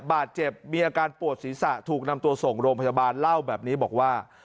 มีอาการปวดศีรษะถูกนำตัวส่งโรงพยาบาลเล่าแบบนี้บอกว่า